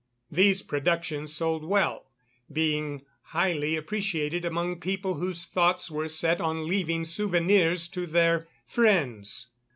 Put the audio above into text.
These productions sold well, being highly appreciated among people whose thoughts were set on leaving souvenirs to their friends.